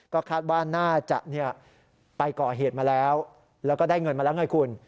ก็คาดว่าน่าจะไปก่อเหตุมาแล้วแล้วก็ได้เงินมาแล้วไงคุณ